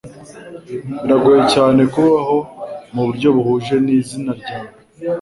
Biragoye cyane kubaho mu buryo buhuje n'izina ryawe